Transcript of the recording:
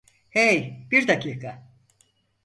Hey, bir dakika.